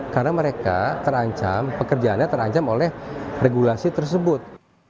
karena mereka terancam pekerjaannya terancam oleh regulasi tersebut